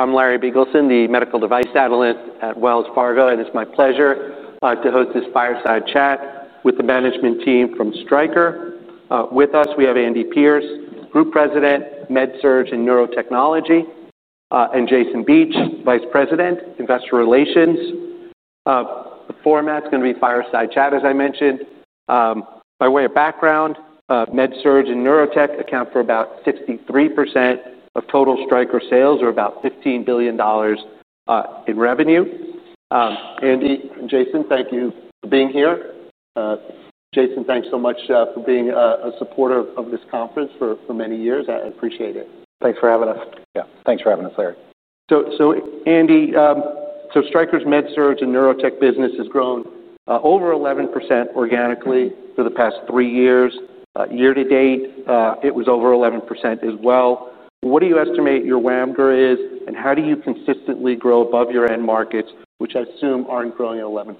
I'm Larry Beagleton, the Medical Device Analyst at Wells Fargo, and it's my pleasure to host this fireside chat with the management team from Stryker. With us, we have Andy Pierce, Group President, MedSurg and Neurotechnology, and Jason Beach, Vice President, Investor Relations. The format's going to be fireside chat, as I mentioned. By way of background, MedSurg and Neurotechnology accounts for about 63% of total Stryker sales, or about $15 billion in revenue. Andy, Jason, thank you for being here. Jason, thanks so much for being a supporter of this conference for many years. I appreciate it. Thanks for having us. Yeah, thanks for having us, Larry. Andy, Stryker's MedSurg and Neurotechnology business has grown over 11% organically for the past three years. Year to date, it was over 11% as well. What do you estimate your WAMGR is, and how do you consistently grow above your end markets, which I assume aren't growing at 11%?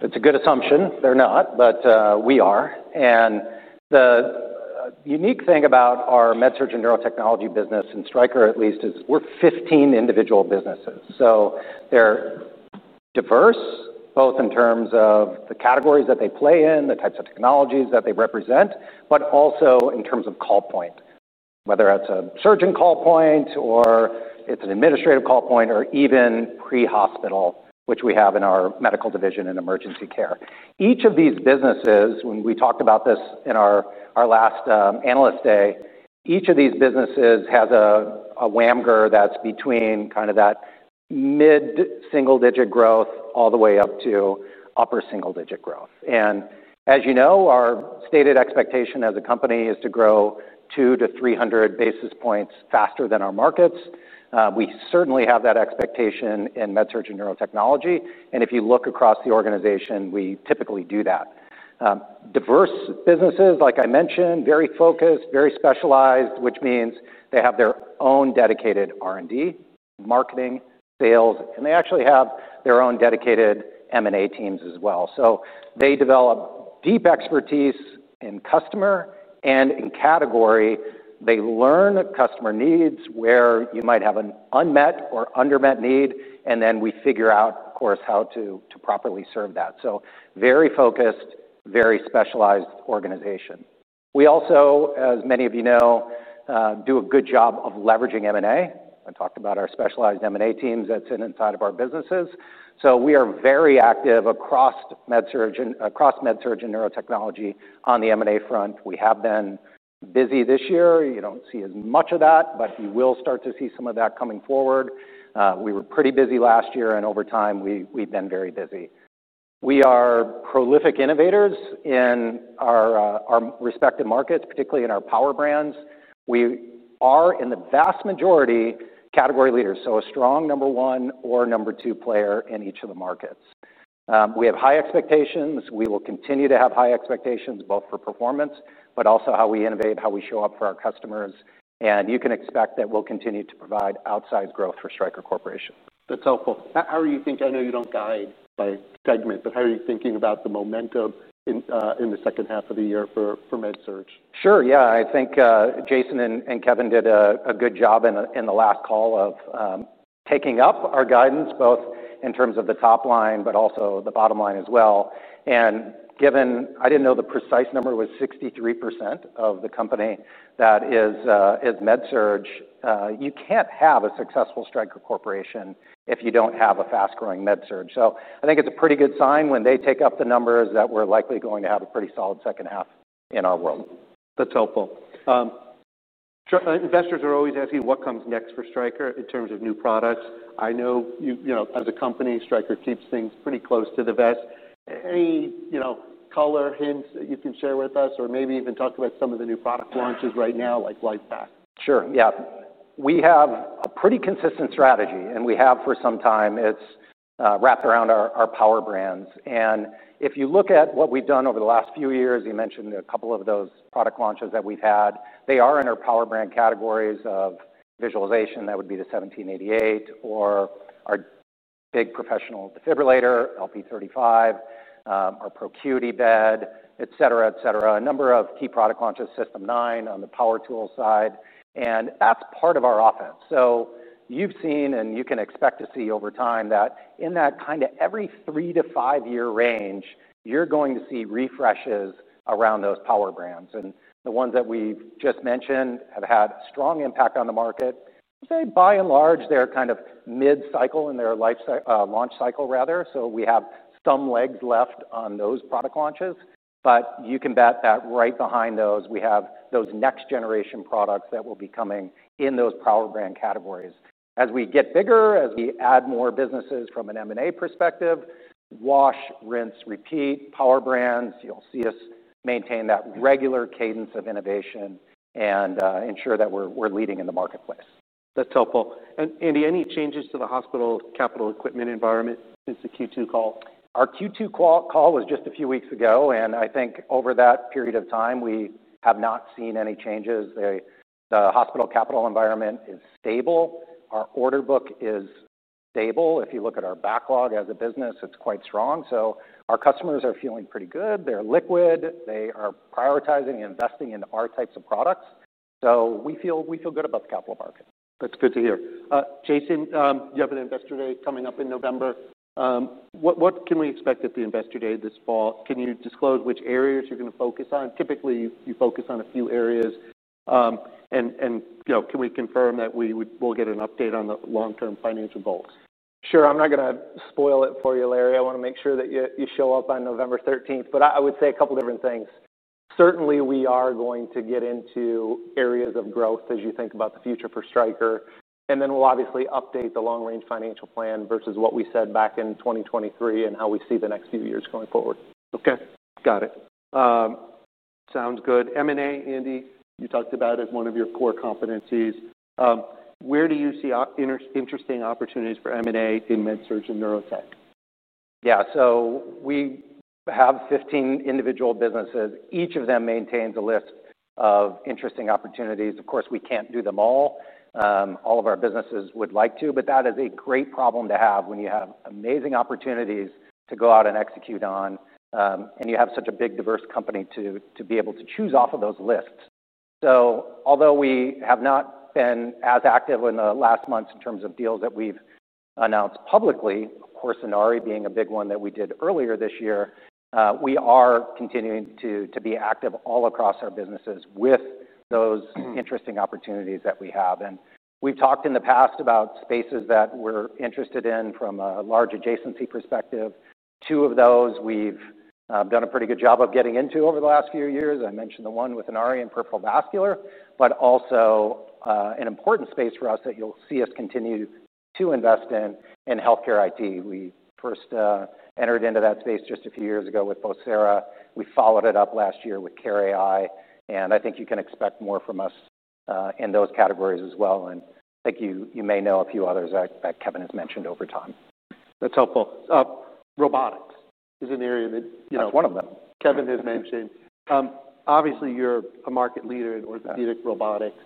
It's a good assumption. They're not, but we are. The unique thing about our MedSurg and Neurotechnology business, and Stryker at least, is we're 15 individual businesses. They're diverse, both in terms of the categories that they play in, the types of technologies that they represent, but also in terms of call point, whether that's a surgeon call point, or it's an administrative call point, or even pre-hospital, which we have in our Medical division in Emergency Care. Each of these businesses, when we talked about this in our last Analyst Day, has a WAMGR that's between kind of that mid-single-digit growth all the way up to upper single-digit growth. As you know, our stated expectation as a company is to grow 200- 300 basis points faster than our markets. We certainly have that expectation in MedSurg and Neurotechnology. If you look across the organization, we typically do that. Diverse businesses, like I mentioned, very focused, very specialized, which means they have their own dedicated R&D, marketing, sales, and they actually have their own dedicated M&A teams as well. They develop deep expertise in customer and in category. They learn customer needs where you might have an unmet or undermet need, and then we figure out, of course, how to properly serve that. Very focused, very specialized organization. We also, as many of you know, do a good job of leveraging M&A. I talked about our specialized M&A teams that sit inside of our businesses. We are very active across MedSurg and Neurotechnology on the M&A front. We have been busy this year. You don't see as much of that, but you will start to see some of that coming forward. We were pretty busy last year, and over time, we've been very busy. We are prolific innovators in our respective markets, particularly in our power brands. We are, in the vast majority, category leaders. A strong number one or number two player in each of the markets. We have high expectations. We will continue to have high expectations both for performance, but also how we innovate, how we show up for our customers. You can expect that we'll continue to provide outsized growth for Stryker Corporation. That's helpful. How are you thinking? I know you don't guide by segment, but how are you thinking about the momentum in the second half of the year for MedSurg? Sure, yeah. I think Jason and Kevin did a good job in the last call of taking up our guidance, both in terms of the top line, but also the bottom line as well. Given I didn't know the precise number was 63% of the company that is MedSurg, you can't have a successful Stryker Corporation if you don't have a fast-growing MedSurg. I think it's a pretty good sign when they take up the numbers that we're likely going to have a pretty solid second half in our world. That's helpful. Investors are always asking what comes next for Stryker in terms of new products. I know, you know, as a company, Stryker keeps things pretty close to the vest. Any color hints you can share with us, or maybe even talk about some of the new product launches right now, like LifePak. Sure, yeah. We have a pretty consistent strategy, and we have for some time. It's wrapped around our power brands. If you look at what we've done over the last few years, you mentioned a couple of those product launches that we've had. They are in our power brand categories of visualization. That would be the 1788 visualization platform, or our big professional defibrillator, LifePak 35/335, our ProCuity bed, et cetera, et cetera. A number of key product launches, System 9 on the power tool side. That's part of our offense. You have seen, and you can expect to see over time, that in that kind of every three to five-year range, you're going to see refreshes around those power brands. The ones that we've just mentioned have had a strong impact on the market. By and large, they're kind of mid-cycle in their life cycle, launch cycle, rather. We have some leg left on those product launches. You can bet that right behind those, we have those next-generation products that will be coming in those power brand categories. As we get bigger, as we add more businesses from an M&A perspective, wash, rinse, repeat power brands, you'll see us maintain that regular cadence of innovation and ensure that we're leading in the marketplace. That's helpful. Andy, any changes to the hospital capital equipment environment since the Q2 call? Our Q2 call was just a few weeks ago. Over that period of time, we have not seen any changes. The hospital capital environment is stable. Our order book is stable. If you look at our backlog as a business, it's quite strong. Our customers are feeling pretty good. They're liquid. They are prioritizing and investing in our types of products. We feel good about the capital market. That's good to hear. Jason, you have an Investor Day coming up in November. What can we expect at the Investor Day this fall? Can you disclose which areas you're going to focus on? Typically, you focus on a few areas. Can we confirm that we will get an update on the long-term financial goals? Sure. I'm not going to spoil it for you, Larry. I want to make sure that you show up on November 13th. I would say a couple of different things. Certainly, we are going to get into areas of growth as you think about the future for Stryker. We will obviously update the long-range financial plan versus what we said back in 2023 and how we see the next few years going forward. OK, got it. Sounds good. M&A, Andy, you talked about it, one of your core competencies. Where do you see interesting opportunities for M&A in MedSurg in Neurotechnology? Yeah, we have 15 individual businesses. Each of them maintains a list of interesting opportunities. Of course, we can't do them all. All of our businesses would like to. That is a great problem to have when you have amazing opportunities to go out and execute on, and you have such a big, diverse company to be able to choose off of those lists. Although we have not been as active in the last months in terms of deals that we've announced publicly, Inari being a big one that we did earlier this year, we are continuing to be active all across our businesses with those interesting opportunities that we have. We've talked in the past about spaces that we're interested in from a large adjacency perspective. Two of those we've done a pretty good job of getting into over the last few years. I mentioned the one with Inari and peripheral vascular, but also an important space for us that you'll see us continue to invest in, in healthcare IT. We first entered into that space just a few years ago with Vocera. We followed it up last year with Care.ai. I think you can expect more from us in those categories as well. I think you may know a few others that Kevin has mentioned over time. That's helpful. Robotics is an area that. That's one of them. Kevin has mentioned. Obviously, you're a market leader in orthopedic robotics.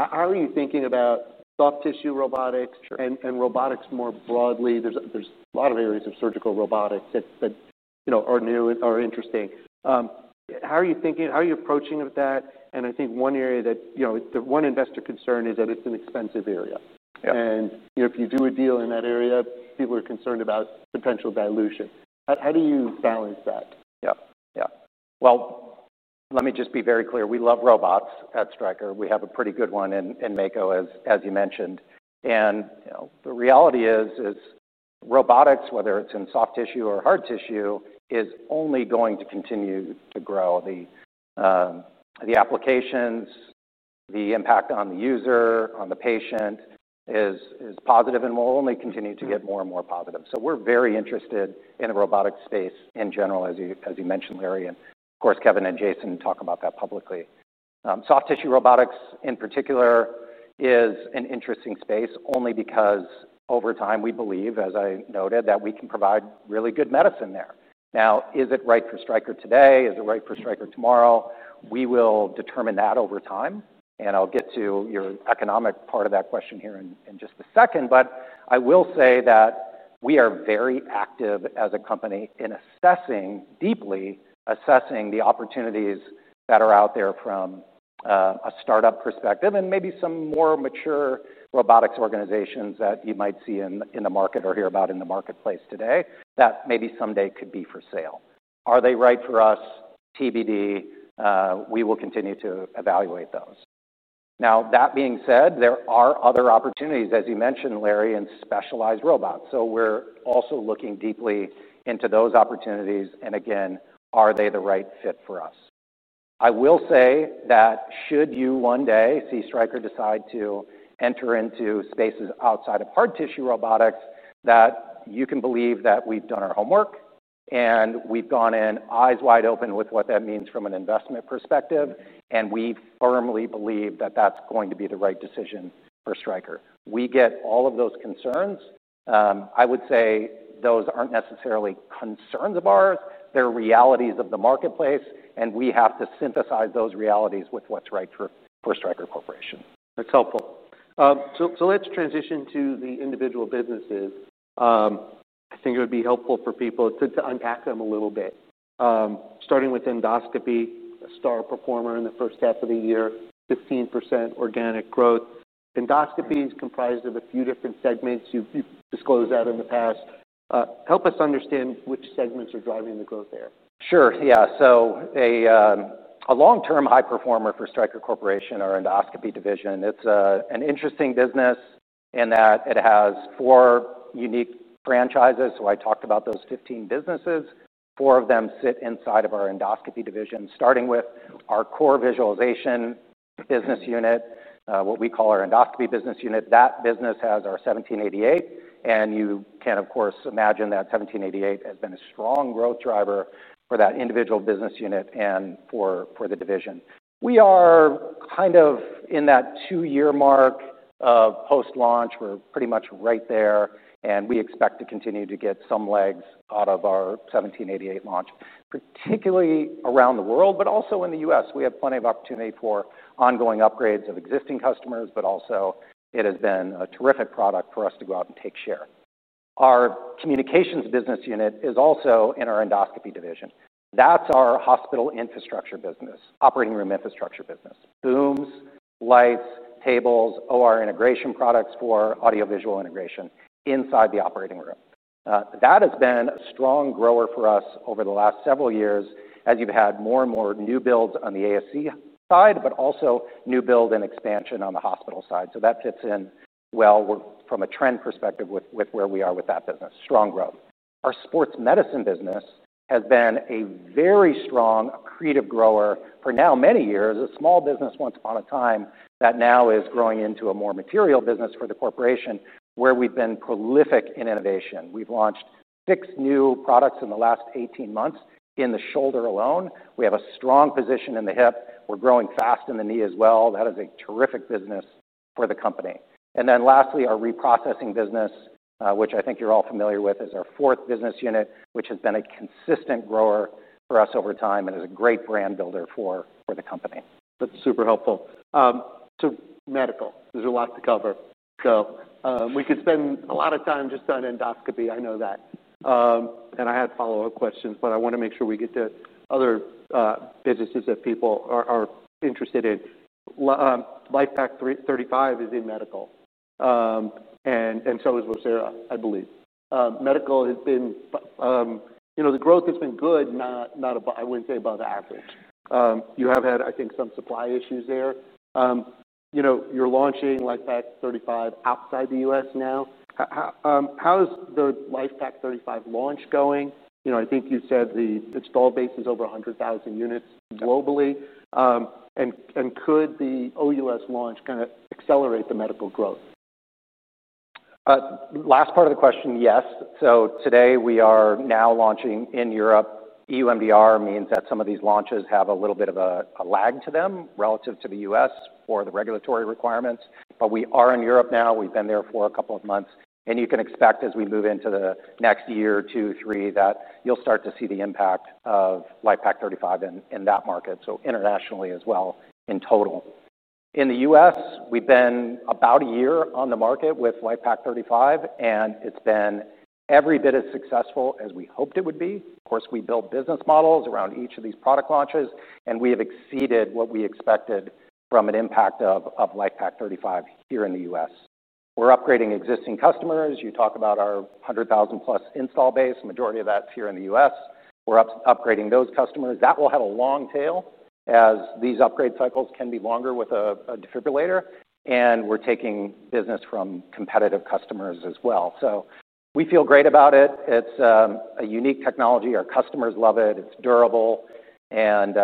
Are you thinking about soft tissue robotics and robotics more broadly? There are a lot of areas of surgical robotics that are new and are interesting. How are you thinking? How are you approaching that? I think one area that the one investor concern is that it's an expensive area. If you do a deal in that area, people are concerned about potential dilution. How do you balance that? Let me just be very clear. We love robots at Stryker. We have a pretty good one in Mako, as you mentioned. The reality is robotics, whether it's in soft tissue or hard tissue, is only going to continue to grow. The applications, the impact on the user, on the patient is positive, and will only continue to get more and more positive. We are very interested in the robotics space in general, as you mentioned, Larry. Of course, Kevin and Jason talk about that publicly. Soft tissue robotics, in particular, is an interesting space only because over time, we believe, as I noted, that we can provide really good medicine there. Now, is it right for Stryker today? Is it right for Stryker tomorrow? We will determine that over time. I'll get to your economic part of that question here in just a second. I will say that we are very active as a company in assessing deeply, assessing the opportunities that are out there from a startup perspective and maybe some more mature robotics organizations that you might see in the market or hear about in the marketplace today that maybe someday could be for sale. Are they right for us? TBD. We will continue to evaluate those. That being said, there are other opportunities, as you mentioned, Larry, in specialized robots. We are also looking deeply into those opportunities. Again, are they the right fit for us? I will say that should you one day see Stryker decide to enter into spaces outside of hard tissue robotics, you can believe that we've done our homework. We've gone in eyes wide open with what that means from an investment perspective. We firmly believe that that's going to be the right decision for Stryker. We get all of those concerns. I would say those aren't necessarily concerns of ours. They're realities of the marketplace. We have to synthesize those realities with what's right for Stryker Corporation. That's helpful. Let's transition to the individual businesses. I think it would be helpful for people to unpack them a little bit, starting with endoscopy, a star performer in the first 1/2 of the year, 15% organic growth. Endoscopy is comprised of a few different segments. You've disclosed that in the past. Help us understand which segments are driving the growth there. Sure, yeah. A long-term high performer for Stryker Corporation, our endoscopy division is an interesting business in that it has four unique franchises. I talked about those 15 businesses. Four of them sit inside of our endoscopy division, starting with our core visualization business unit, what we call our endoscopy business unit. That business has our 1788. You can, of course, imagine that 1788 has been a strong growth driver for that individual business unit and for the division. We are kind of in that two-year mark of post-launch. We're pretty much right there, and we expect to continue to get some legs out of our 1788 launch, particularly around the world, but also in the U.S. We have plenty of opportunity for ongoing upgrades of existing customers. It has been a terrific product for us to go out and take share. Our communications business unit is also in our endoscopy division. That's our hospital infrastructure business, operating room infrastructure business, booms, lights, tables, OR integration products for audio-visual integration inside the operating room. That has been a strong grower for us over the last several years, as you've had more and more new builds on the ASC side, but also new build and expansion on the hospital side. That fits in well from a trend perspective with where we are with that business, strong growth. Our sports medicine business has been a very strong creative grower for now many years, a small business once upon a time that now is growing into a more material business for the corporation, where we've been prolific in innovation. We've launched six new products in the last 18 months in the shoulder alone. We have a strong position in the hip. We're growing fast in the knee as well. That is a terrific business for the company. Lastly, our reprocessing business, which I think you're all familiar with, is our fourth business unit, which has been a consistent grower for us over time and is a great brand builder for the company. That's super helpful. Medical, there's a lot to cover. We could spend a lot of time just on endoscopy. I know that. I had follow-up questions, but I want to make sure we get to other businesses that people are interested in. LifePak 35/335 is in Medical, and so is Vocera, I believe. Medical has been, you know, the growth has been good, not I wouldn't say above average. You have had, I think, some supply issues there. You're launching LifePak 35/335 outside the U.S. now. How is the LifePak 35/335 launch going? I think you said the install base is over 100,000 units globally. Could the O.U.S. launch kind of accelerate the Medical growth? Last part of the question, yes. Today, we are now launching in Europe. EU MDR means that some of these launches have a little bit of a lag to them relative to the U.S. or the regulatory requirements. We are in Europe now. We've been there for a couple of months. You can expect, as we move into the next year, two, three, that you'll start to see the impact LifePak 35 in that market, internationally as well in total. In the U.S., we've been about a year on the market with LifePak 35, and it's been every bit as successful as we hoped it would be. Of course, we build business models around each of these product launches, and we have exceeded what we expected from an impact LifePak 35 here in the U.S. We're upgrading existing customers. You talk about our 100,000+ install base. The majority of that's here in the U.S. We're upgrading those customers. That will have a long tail, as these upgrade cycles can be longer with a defibrillator, and we're taking business from competitive customers as well. We feel great about it. It's a unique technology. Our customers love it. It's durable, and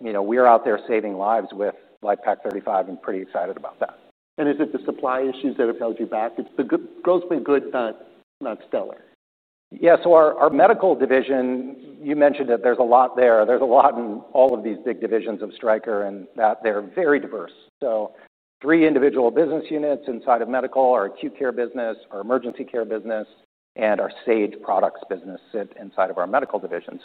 you know, we're out there saving lives with LifePak 35, and pretty excited about that. Is it the supply issues that have held you back? The growth's been good, but not stellar. Yeah, so our Medical division, you mentioned that there's a lot there. There's a lot in all of these big divisions of Stryker, and that they're very diverse. Three individual business units inside of Medical, our Acute Care business, our Emergency Care business, and our Sage Products business sit inside of our Medical division.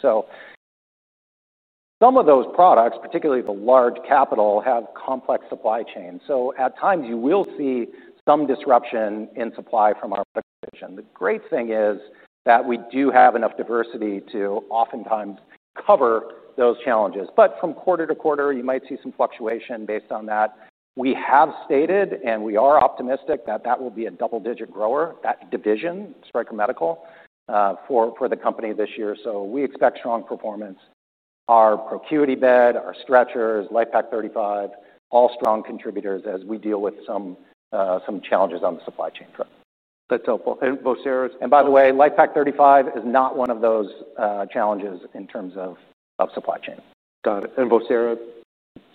Some of those products, particularly the large capital, have complex supply chains. At times, you will see some disruption in supply from our Medical division. The great thing is that we do have enough diversity to oftentimes cover those challenges. From quarter to quarter, you might see some fluctuation based on that. We have stated, and we are optimistic that that will be a double-digit grower, that division, Stryker Medical, for the company this year. We expect strong performance. Our ProCuity bed, our stretchers, LifePak 35, all strong contributors as we deal with some challenges on the supply chain front. That's helpful. And Vocera. By the way, LifePak 35 is not one of those challenges in terms of supply chain. Got it. And Vocera,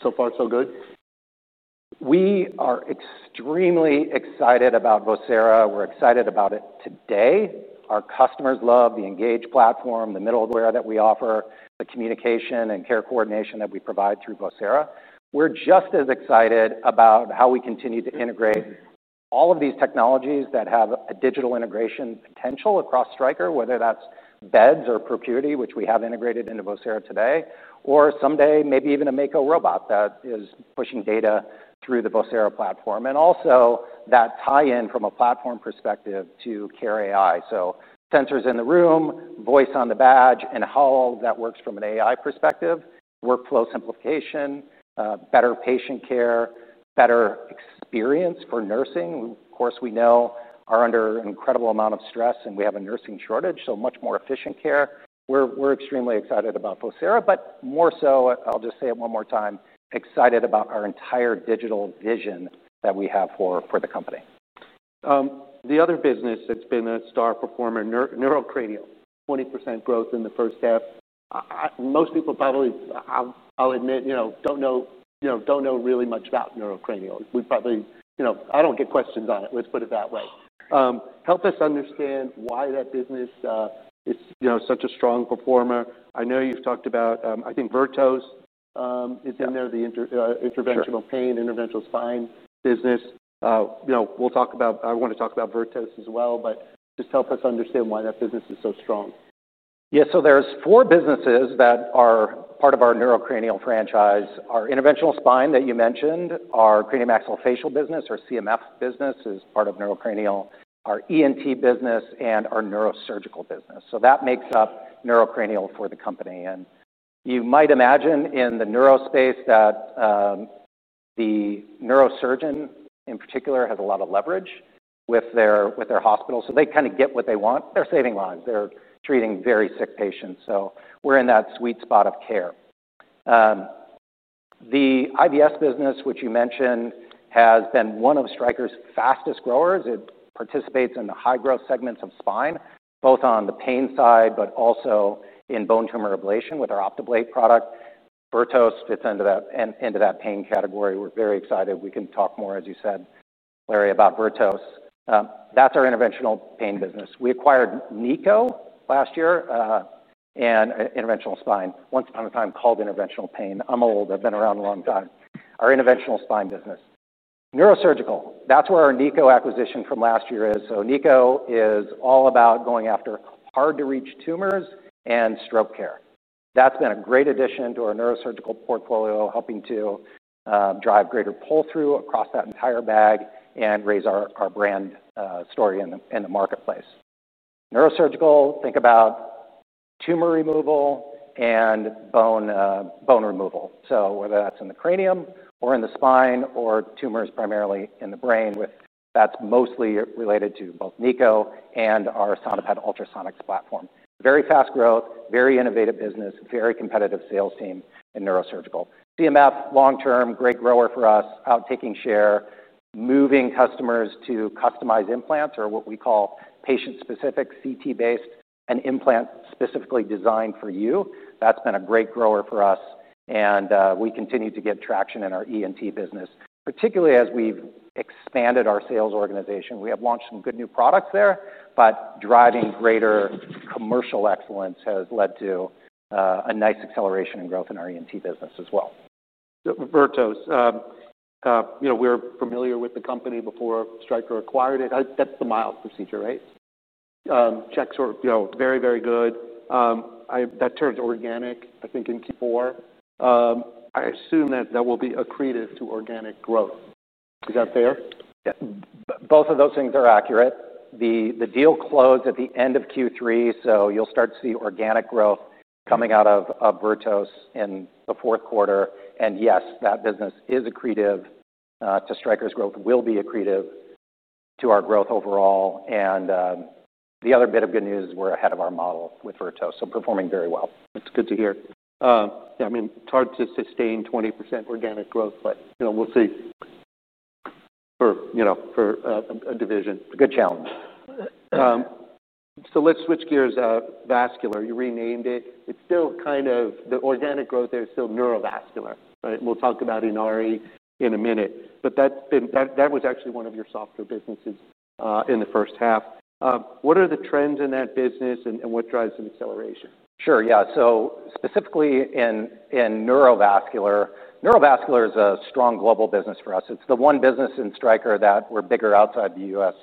so far, so good? We are extremely excited about Vocera. We're excited about it today. Our customers love the Engage platform, the middleware that we offer, the communication and care coordination that we provide through Vocera. We're just as excited about how we continue to integrate all of these technologies that have a digital integration potential across Stryker, whether that's beds or ProCuity, which we have integrated into Vocera today, or someday, maybe even a Mako robot that is pushing data through the Vocera platform. There is also that tie-in from a platform perspective to Care.ai. Sensors in the room, voice on the badge, and how all of that works from an AI perspective, workflow simplification, better patient care, better experience for nursing. Of course, we know nurses are under an incredible amount of stress, and we have a nursing shortage, so much more efficient care. We're extremely excited about Vocera, but more so, I'll just say it one more time, excited about our entire digital vision that we have for the company. The other business that's been a star performer, Neurocranial, 20% growth in the first half. Most people probably, I'll admit, don't know really much about Neurocranial. We probably, I don't get questions on it. Let's put it that way. Help us understand why that business is such a strong performer. I know you've talked about, I think, Vertos is in there, the interventional pain, interventional spine business. I want to talk about Vertos as well, but just help us understand why that business is so strong. Yeah, so there's four businesses that are part of our Neurocranial franchise. Our interventional spine that you mentioned, our craniomaxillofacial business, our CMF business is part of Neurocranial, our ENT business, and our neurosurgical business. That makes up Neurocranial for the company. You might imagine in the neurospace that the neurosurgeon, in particular, has a lot of leverage with their hospital. They kind of get what they want. They're saving lives. They're treating very sick patients. We're in that sweet spot of care. The IVS business, which you mentioned, has been one of Stryker's fastest growers. It participates in the high-growth segments of spine, both on the pain side, but also in bone tumor ablation with our OptiBlade product. Vertos fits into that pain category. We're very excited. We can talk more, as you said, Larry, about Vertos. That's our interventional pain business. We acquired NICO last year and interventional spine. Once upon a time, called interventional pain. I'm old. I've been around a long time. Our interventional spine business. Neurosurgical, that's where our NICO acquisition from last year is. NICO is all about going after hard-to-reach tumors and stroke care. That's been a great addition to our neurosurgical portfolio, helping to drive greater pull-through across that entire bag and raise our brand story in the marketplace. Neurosurgical, think about tumor removal and bone removal. Whether that's in the cranium or in the spine or tumors primarily in the brain, that's mostly related to both NICO and our Sonofab ultrasonics platform. Very fast growth, very innovative business, very competitive sales team in neurosurgical. CMF, long-term, great grower for us, outtaking share, moving customers to customized implants or what we call patient-specific, CT-based, and implant specifically designed for you. That's been a great grower for us. We continue to get traction in our ENT business, particularly as we've expanded our sales organization. We have launched some good new products there, but driving greater commercial excellence has led to a nice acceleration and growth in our ENT business as well. Vertos, you know, we're familiar with the company before Stryker acquired it. That's the mild procedure, right? Checks are very, very good. That turns organic, I think, in Q4. I assume that that will be accretive to organic growth. Is that fair? Yeah, both of those things are accurate. The deal closed at the end of Q3, so you'll start to see organic growth coming out of Vertos in the fourth quarter. Yes, that business is accretive to Stryker's growth, will be accretive to our growth overall. The other bit of good news is we're ahead of our model with Vertos, so performing very well. That's good to hear. Yeah, I mean, it's hard to sustain 20% organic growth, but you know, we'll see for a division. It's a good challenge. Let's switch gears. Vascular, you renamed it. It's still kind of the organic growth there, it's still Neurovascular. We'll talk about Inari in a minute. That was actually one of your softer businesses in the first half. What are the trends in that business and what drives an acceleration? Sure, yeah. Specifically in Neurovascular, Neurovascular is a strong global business for us. It's the one business in Stryker that we're bigger outside the U.S.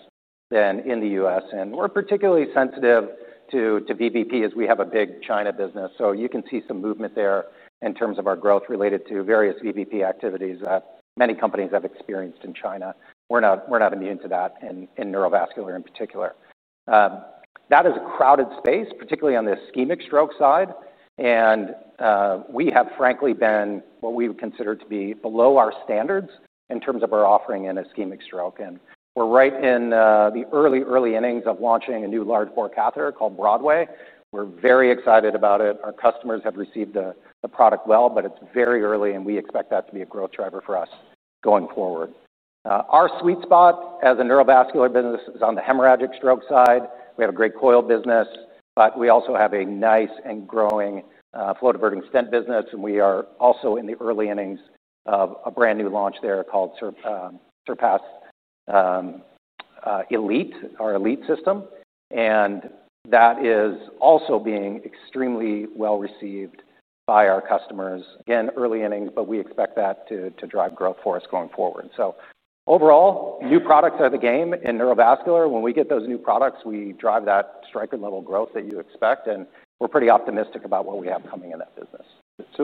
than in the U.S. We're particularly sensitive to BVP as we have a big China business. You can see some movement there in terms of our growth related to various BVP activities that many companies have experienced in China. We're not immune to that in Neurovascular in particular. That is a crowded space, particularly on the ischemic stroke side. We have, frankly, been what we would consider to be below our standards in terms of our offering in ischemic stroke. We're right in the early, early innings of launching a new large bore catheter called Broadway. We're very excited about it. Our customers have received the product well, but it's very early, and we expect that to be a growth driver for us going forward. Our sweet spot as a Neurovascular business is on the hemorrhagic stroke side. We have a great coil business, but we also have a nice and growing flow-diverting stent business. We are also in the early innings of a brand new launch there called Surpass Elite, our Elite system. That is also being extremely well received by our customers in early innings, but we expect that to drive growth for us going forward. Overall, new products are the game in Neurovascular. When we get those new products, we drive that Stryker-level growth that you expect. We're pretty optimistic about what we have coming in that business.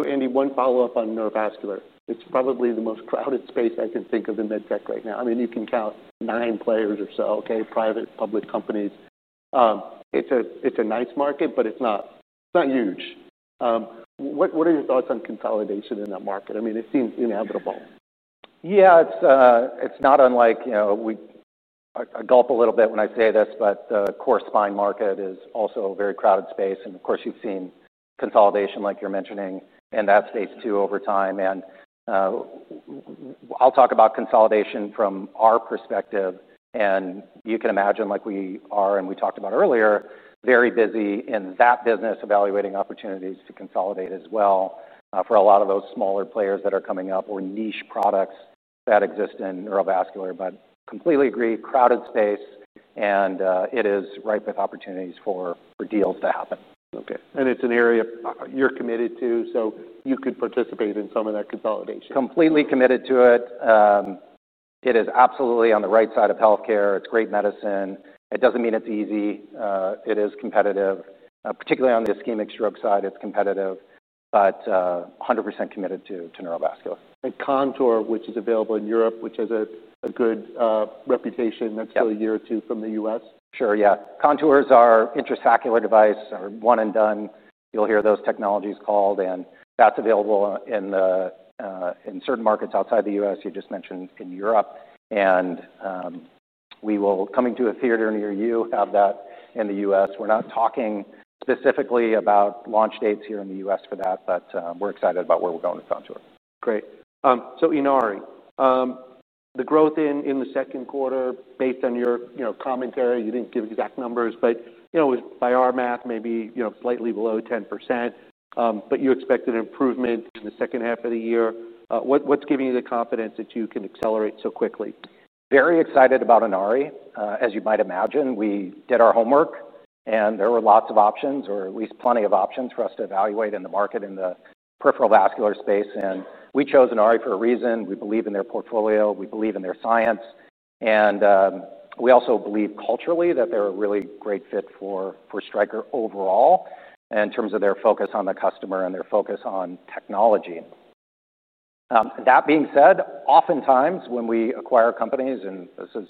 Andy, one follow-up on Neurovascular. It's probably the most crowded space I can think of in med tech right now. I mean, you can count nine players or so, private, public companies. It's a nice market, but it's not huge. What are your thoughts on consolidation in that market? I mean, it seems inevitable. Yeah, it's not unlike, you know, I gulp a little bit when I say this, but the core spine market is also a very crowded space. Of course, you've seen consolidation, like you're mentioning, in that space too over time. I'll talk about consolidation from our perspective. You can imagine, like we are, and we talked about earlier, very busy in that business evaluating opportunities to consolidate as well for a lot of those smaller players that are coming up or niche products that exist in Neurovascular. Completely agree, crowded space, and it is ripe with opportunities for deals to happen. OK, and it's an area you're committed to, so you could participate in some of that consolidation. Completely committed to it. It is absolutely on the right side of healthcare. It's great medicine. It doesn't mean it's easy. It is competitive, particularly on the ischemic stroke side. It's competitive, but 100% committed to Neurovascular. Contour, which is available in Europe, which has a good reputation, that's still a year or two from the U.S.? Sure, yeah. Contour is our intrasaccular device, our one-and-done. You'll hear those technologies called that. It's available in certain markets outside the U.S. you just mentioned in Europe. We will, coming to a theater near you, have that in the U.S. We're not talking specifically about launch dates here in the U.S. for that, but we're excited about where we're going with Contour. Great. Inari, the growth in the second quarter, based on your commentary, you didn't give exact numbers, but you know, by our math, maybe slightly below 10%. You expect an improvement in the second half of the year. What's giving you the confidence that you can accelerate so quickly? Very excited about Inari. As you might imagine, we did our homework, and there were lots of options, or at least plenty of options for us to evaluate in the market in the peripheral vascular space. We chose Inari for a reason. We believe in their portfolio. We believe in their science. We also believe culturally that they're a really great fit for Stryker overall in terms of their focus on the customer and their focus on technology. That being said, oftentimes when we acquire companies, and this is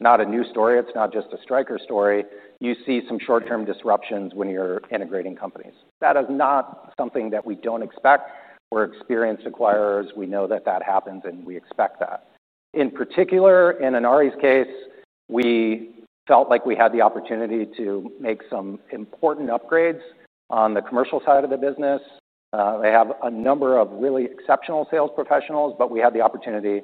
not a new story, it's not just a Stryker story, you see some short-term disruptions when you're integrating companies. That is not something that we don't expect. We're experienced acquirers. We know that that happens, and we expect that. In particular, in Inari's case, we felt like we had the opportunity to make some important upgrades on the commercial side of the business. They have a number of really exceptional sales professionals, but we had the opportunity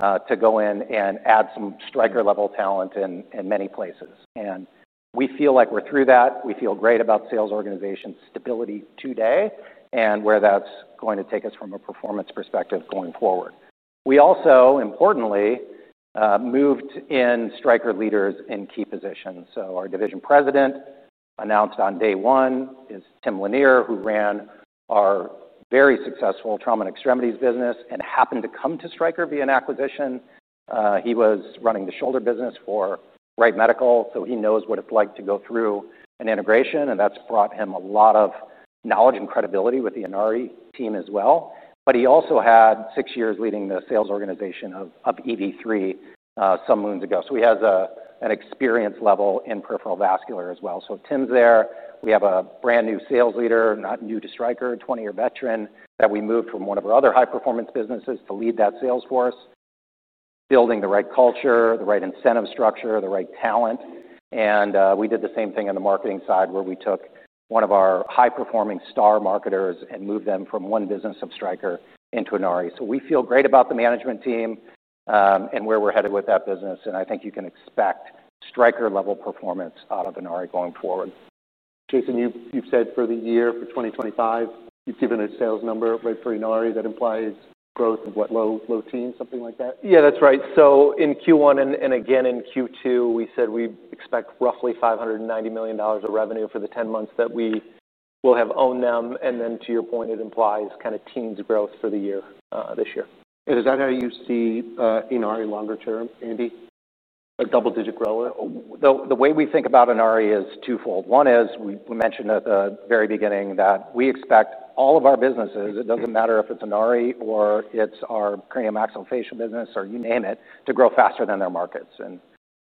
to go in and add some Stryker-level talent in many places. We feel like we're through that. We feel great about sales organization stability today and where that's going to take us from a performance perspective going forward. We also, importantly, moved in Stryker leaders in key positions. Our Division President announced on day one is Tim Lanier, who ran our very successful trauma and extremities business and happened to come to Stryker via an acquisition. He was running the shoulder business for Wright Medical, so he knows what it's like to go through an integration. That's brought him a lot of knowledge and credibility with the Inari team as well. He also had six years leading the sales organization of EV3 some moons ago. He has an experience level in peripheral vascular as well. Tim's there. We have a brand new sales leader, not new to Stryker, 20-year veteran, that we moved from one of our other high-performance businesses to lead that sales force, building the right culture, the right incentive structure, the right talent. We did the same thing on the marketing side where we took one of our high-performing star marketers and moved them from one business of Stryker into Inari. We feel great about the management team and where we're headed with that business. I think you can expect Stryker-level performance out of Inari going forward. Jason, you've said for the year, for 2025, you've given a sales number right for Inari that implies growth of what, low teens, something like that? Yeah, that's right. In Q1 and again in Q2, we said we expect roughly $590 million of revenue for the 10 months that we will have owned them. To your point, it implies kind of teens growth for the year this year. Is that how you see Inari longer term, Andy, a double-digit growth? The way we think about Inari is twofold. One is we mentioned at the very beginning that we expect all of our businesses, it doesn't matter if it's Inari or it's our craniomaxillofacial business, or you name it, to grow faster than their markets.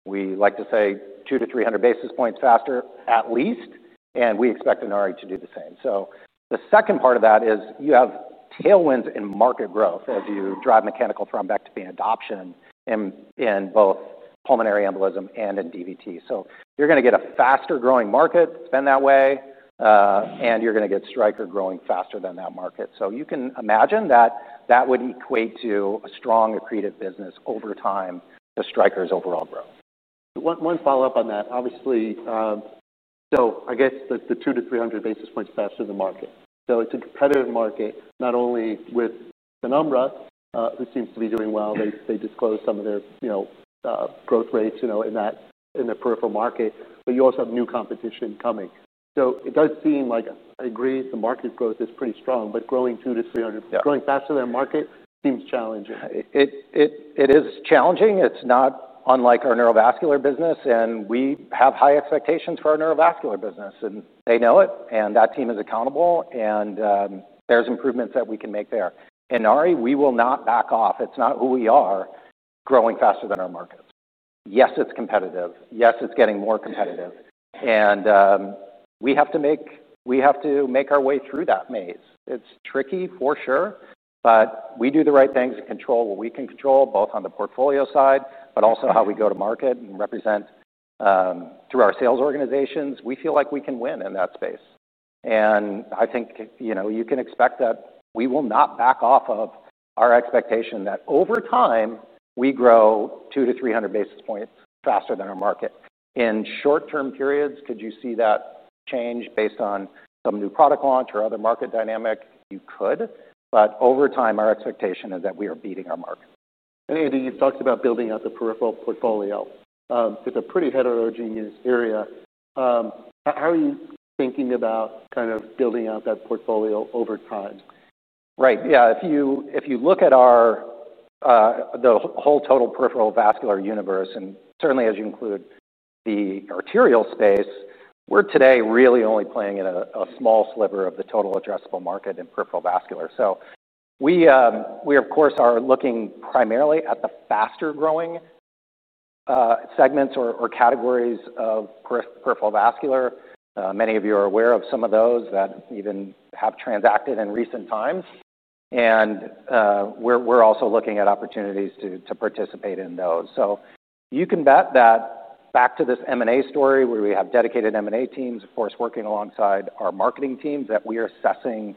We like to say 200- 300 basis points faster, at least. We expect Inari to do the same. The second part of that is you have tailwinds in market growth as you drive mechanical thrombectomy adoption in both pulmonary embolism and in DVT. You're going to get a faster growing market spend that way, and you're going to get Stryker growing faster than that market. You can imagine that that would equate to a strong accretive business over time to Stryker's overall growth. One follow-up on that. Obviously, I guess the 200- 300 basis points faster than market. It's a competitive market, not only with Penumbra, who seems to be doing well. They disclosed some of their growth rates in their peripheral market. You also have new competition coming. It does seem like, I agree, the market growth is pretty strong, but growing 200- 300 basis points, growing faster than market seems challenging. It is challenging. It's not unlike our Neurovascular business. We have high expectations for our Neurovascular business, and they know it. That team is accountable, and there's improvements that we can make there. Inari, we will not back off. It's not who we are, growing faster than our market. Yes, it's competitive. Yes, it's getting more competitive. We have to make our way through that maze. It's tricky for sure, but we do the right things to control what we can control, both on the portfolio side, but also how we go to market and represent through our sales organizations. We feel like we can win in that space. I think you can expect that we will not back off of our expectation that over time, we grow 200- 300 basis points faster than our market. In short-term periods, could you see that change based on some new product launch or other market dynamic? You could. Over time, our expectation is that we are beating our market. Andy, you've talked about building out the peripheral portfolio. It's a pretty heterogeneous area. How are you thinking about kind of building out that portfolio over time? Right, yeah. If you look at the whole total peripheral vascular universe, and certainly as you include the arterial space, we're today really only playing in a small sliver of the total addressable market in peripheral vascular. We, of course, are looking primarily at the faster growing segments or categories of peripheral vascular. Many of you are aware of some of those that even have transacted in recent times. We're also looking at opportunities to participate in those. You can bet that back to this M&A story, where we have dedicated M&A teams, of course, working alongside our marketing team, we are assessing essentially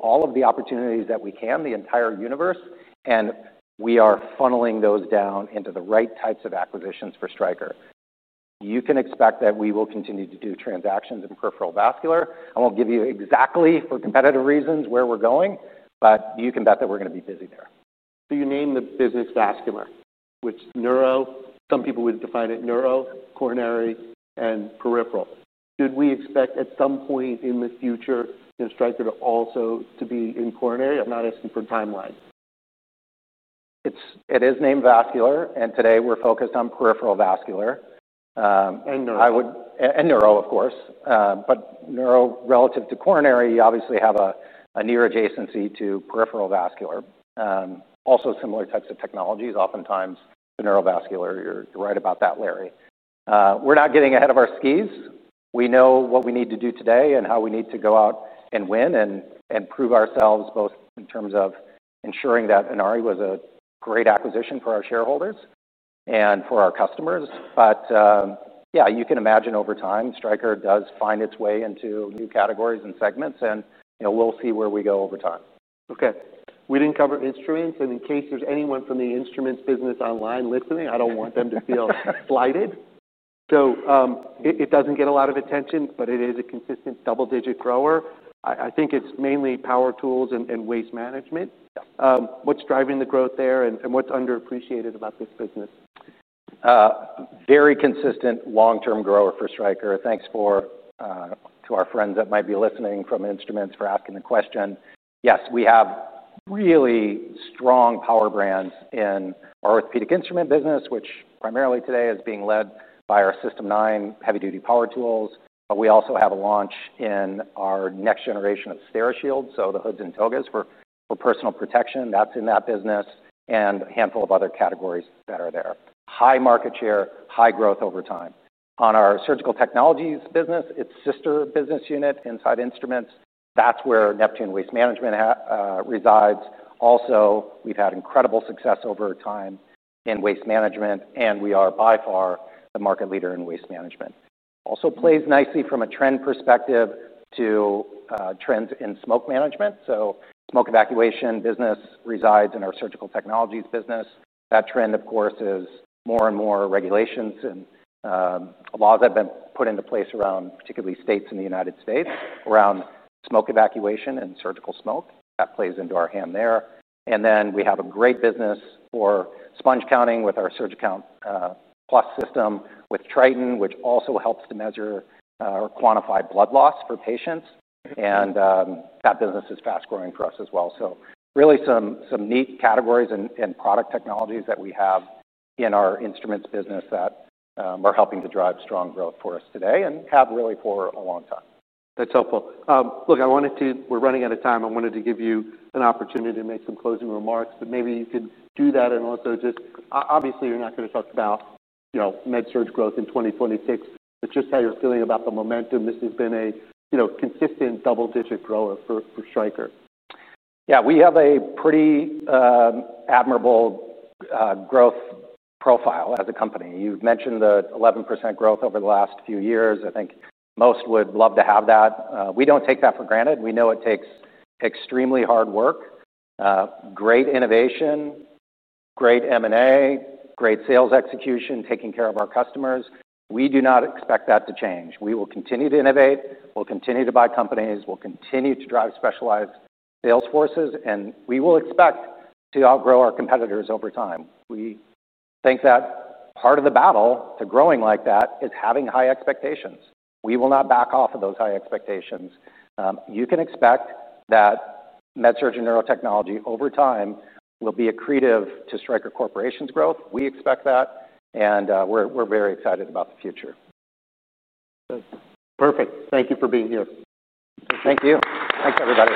all of the opportunities that we can, the entire universe. We are funneling those down into the right types of acquisitions for Stryker. You can expect that we will continue to do transactions in peripheral vascular. I won't give you exactly, for competitive reasons, where we're going. You can bet that we're going to be busy there. You named the business Vascular, which neuro, some people would define it neuro, coronary, and peripheral. Did we expect at some point in the future Stryker to also be in coronary? I'm not asking for timelines. It is named Neurovascular. Today, we're focused on peripheral vascular. And neuro. Neuro, of course. Neuro relative to coronary, you obviously have a near adjacency to peripheral vascular. Also, similar types of technologies oftentimes to Neurovascular. You're right about that, Larry. We're not getting ahead of our skis. We know what we need to do today and how we need to go out and win and prove ourselves, both in terms of ensuring that Inari was a great acquisition for our shareholders and for our customers. You can imagine over time, Stryker does find its way into new categories and segments. We'll see where we go over time. OK, we didn't cover instruments. In case there's anyone from the instruments business online listening, I don't want them to feel slighted. It doesn't get a lot of attention, but it is a consistent double-digit grower. I think it's mainly power tools and waste management. What's driving the growth there and what's underappreciated about this business? Very consistent long-term grower for Stryker. Thanks to our friends that might be listening from Instruments for asking the question. Yes, we have really strong power brands in our Orthopaedic Instruments business, which primarily today is being led by our System 9 heavy-duty power tools. We also have a launch in our next generation of Sterishield so the hoods and togas for personal protection. That's in that business and a handful of other categories that are there. High market share, high growth over time. On our Surgical Technologies business, its sister business unit inside Instruments, that's where Neptune Waste Management resides. We have had incredible success over time in waste management, and we are by far the market leader in waste management. It also plays nicely from a trend perspective to trends in smoke management. The smoke evacuation business resides in our Surgical Technologies business. That trend, of course, is more and more regulations and laws that have been put into place around, particularly states in the U.S., around smoke evacuation and surgical smoke. That plays into our hand there. We have a great business for sponge counting with our SurgiCount+ system with Triton, which also helps to measure or quantify blood loss for patients. That business is fast growing for us as well. Really some neat categories and product technologies that we have in our Instruments business that are helping to drive strong growth for us today and have really for a long time. That's helpful. I wanted to, we're running out of time. I wanted to give you an opportunity to make some closing remarks. Maybe you can do that and also just, obviously, you're not going to talk about MedSurg growth in 2026, but just how you're feeling about the momentum. This has been a consistent double-digit grower for Stryker. Yeah, we have a pretty admirable growth profile as a company. You've mentioned the 11% growth over the last few years. I think most would love to have that. We don't take that for granted. We know it takes extremely hard work, great innovation, great M&A, great sales execution, taking care of our customers. We do not expect that to change. We will continue to innovate. We'll continue to buy companies. We'll continue to drive specialized sales forces. We will expect to outgrow our competitors over time. We think that part of the battle to growing like that is having high expectations. We will not back off of those high expectations. You can expect that MedSurg and Neurotechnology over time will be accretive to Stryker Corporation's growth. We expect that. We're very excited about the future. Perfect. Thank you for being here. Thank you. Thanks, everybody.